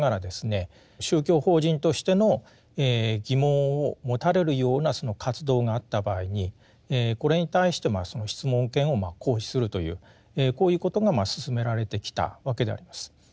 宗教法人としての疑問を持たれるようなその活動があった場合にこれに対してその質問権を行使するというこういうことが進められてきたわけであります。